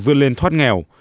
vươn lên thoát nghèo